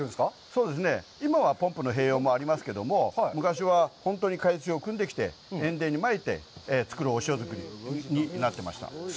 そうですね、今はポンプの併用もありますけれども、昔は本当に海水をくんできて、塩田にまいて作るお塩作りになってました。